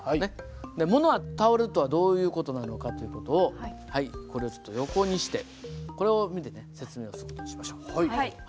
ものが倒れるとはどういう事なのかという事をこれをちょっと横にしてこれを見てね説明をする事にしましょう。